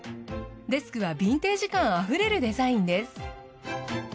デスクはビンテージ感あふれるデザインです。